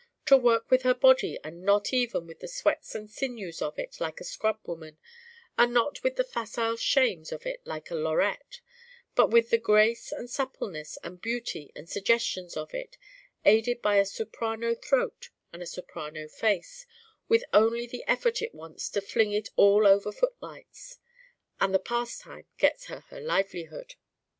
To work with her body and not even with the sweats and sinews of it like a scrub woman, and not with the facile shames of it like a lorette, but with the grace and suppleness and beauty and suggestions of it, aided by a soprano throat and a soprano face with only the effort it wants to fling it all over footlights. And that pastime gets her her livelihood.